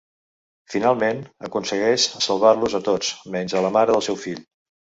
Finalment, aconsegueix salvar-los a tots menys a la mare del seu fill.